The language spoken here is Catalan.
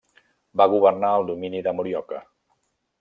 Va governar el domini de Morioka.